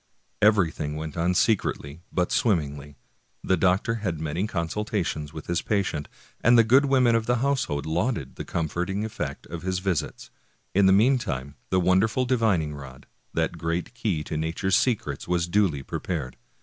Everything went on secretly but swimmingly. The doctor had many consultations with his patient, and the good women of the household lauded the comforting effect of his visits. In the meantime the wonderful divining rod, that great key to nature's secrets, was duly prepared.